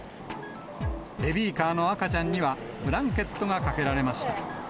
ベビーカーの赤ちゃんには、ブランケットがかけられました。